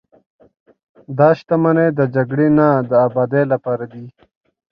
دا شتمنۍ د جګړې نه، د ابادۍ لپاره دي.